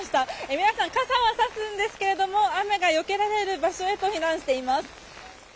皆さん、傘はさすんですけれども雨がよけられる場所へと避難しています。